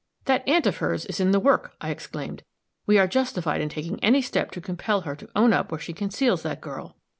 "That aunt of hers is in the work," I exclaimed. "We are justified in taking any step to compel her to own up where she conceals that girl."